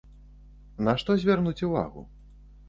На што звярнуць увагу?